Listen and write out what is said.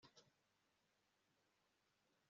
inyungu cyane mu ngingo zaryo iya